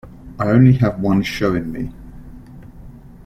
I only have one show in me.